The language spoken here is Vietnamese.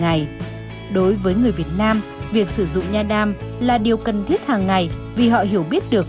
ngày đối với người việt nam việc sử dụng nha đam là điều cần thiết hàng ngày vì họ hiểu biết được